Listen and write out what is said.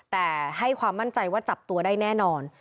แต่ให้ความมั่นใจว่าจับตัวได้แน่นอน